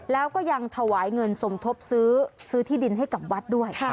แล้วก็ยังถวายเงินสมทบซื้อที่ดินให้กับวัดด้วย